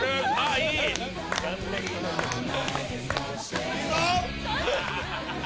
いいぞ！